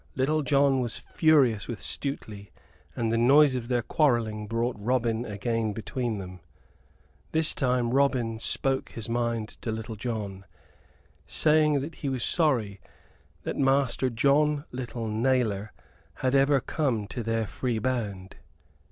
Little John was furious with Stuteley, and the noise of their quarrelling brought Robin again between them. This time young Robin spoke his mind to Little John, saying that he was sorry that Master John Little Nailor had ever come into their free band.